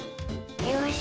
よし。